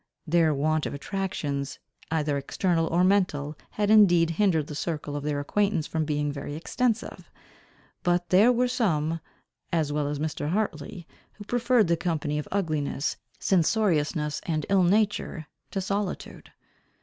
Their want of attractions either external or mental, had indeed hindered the circle of their acquaintance from being very extensive; but there were some, as well as Mr. Hartley, who preferred the company of ugliness, censoriousness and ill nature to solitude.